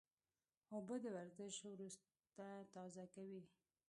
اوبه د ورزش وروسته تازه کوي